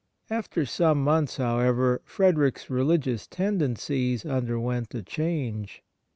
After some months, however, Frederick's religious tendencies underwent a change.